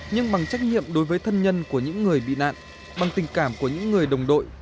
nhưng bằng trách nhiệm đối với thân nhân của những người bị nạn bằng tình cảm của những người đồng đội